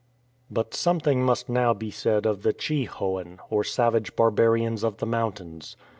But something must now be said about the Chhi hoan, or savage barbarians of the mountains.